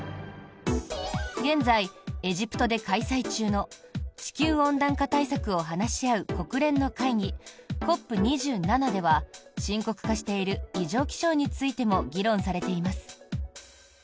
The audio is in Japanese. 現在、エジプトで開催中の地球温暖化対策を話し合う国連の会議、ＣＯＰ２７では深刻化している異常気象についても議論されています。